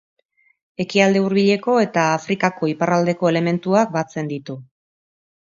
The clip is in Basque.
Ekialde Hurbileko eta Afrikako iparraldeko elementuak batzen ditu.